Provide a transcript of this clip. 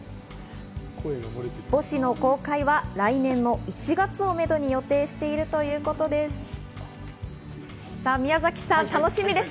母子の公開は来年の１月をめどに予定しているということです。